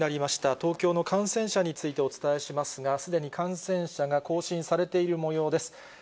東京の感染者についてお伝えしますが、すでに感染者が更新されているもようです。